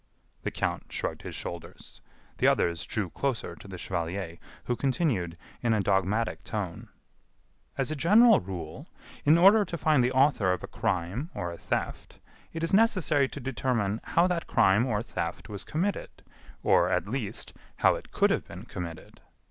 The count shrugged his shoulders. The others drew closer to the chevalier, who continued, in a dogmatic tone: "As a general rule, in order to find the author of a crime or a theft, it is necessary to determine how that crime or theft was committed, or, at least, how it could have been committed.